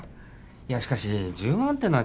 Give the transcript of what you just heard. いやしかし１０万ってのはちょっと。